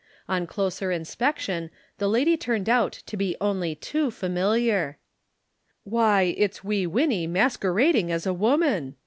On closer inspection, the lady turned out to be only too familiar. "Why it's Wee Winnie masquerading as a woman!"